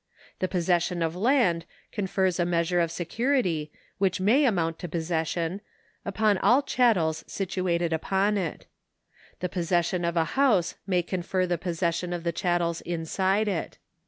The possession of land confers a measiu e of security, which may amount to possession, upon all chattels situated upon it. The possession of a house may confer the possession of the chattels inside it.